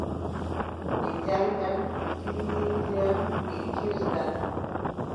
Ɓe njaldan, ɓe ngillindiran, ɓe kiirdan.